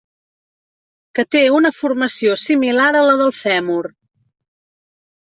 Que té una formació similar a la del fèmur.